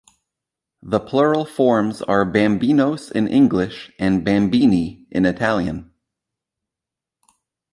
The plural forms are bambinos in English and bambini in Italian.